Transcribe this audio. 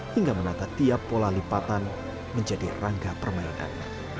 hingga menata tiap pola lipatan menjadi rangga permainan